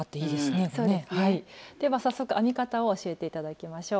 では早速編み方を教えていただきましょう。